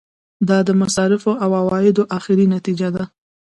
دا د مصارفو او عوایدو اخري نتیجه ده.